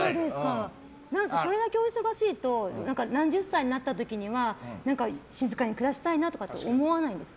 それだけお忙しいと何十歳になった時には静かに暮らしたいなとか思わないんですか？